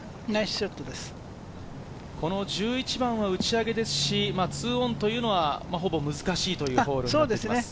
この１１番は打ち上げですし、２オンというのはほぼ難しいというホールになっています。